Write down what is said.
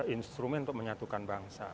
instrumen untuk menyatukan bangsa